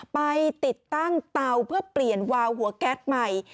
ไปติดตั้งเตาเพื่อเปลี่ยนวาวหัวแก๊สใหม่